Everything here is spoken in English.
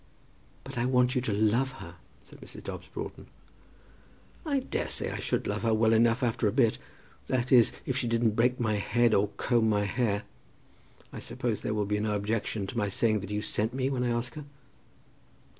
"But I want you to love her," said Mrs. Dobbs Broughton. "I daresay I should love her well enough after a bit; that is, if she didn't break my head or comb my hair. I suppose there will be no objection to my saying that you sent me when I ask her?"